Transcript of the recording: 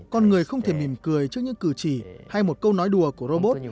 con người không thể mỉm cười trước những cử chỉ hay một câu nói đùa của robot